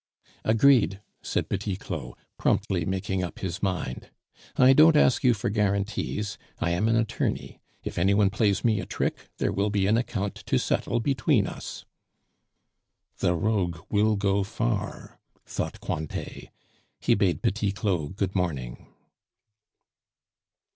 "Agreed!" said Petit Claud, promptly making up his mind. "I don't ask you for guarantees; I am an attorney. If any one plays me a trick, there will be an account to settle between us." "The rogue will go far," thought Cointet; he bade Petit Claud good morning.